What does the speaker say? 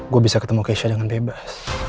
gue bisa ketemu keisha dengan bebas